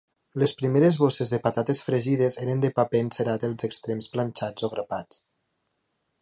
Les primeres bosses de patates fregides eren de paper encerat els extrems planxats o grapats.